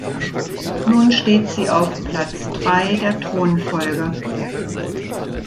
Nun steht sie auf Platz drei der Thronfolge.